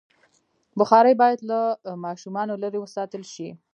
بخاري باید له ماشومانو لرې وساتل شي.